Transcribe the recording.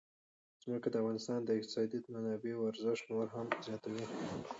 ځمکه د افغانستان د اقتصادي منابعو ارزښت نور هم زیاتوي.